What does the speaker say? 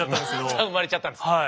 また生まれちゃったんですか。